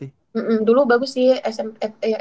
iya dulu bagus sih smp eh ya